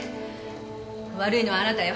悪いのはあなたよ。